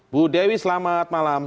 bu dewi selamat malam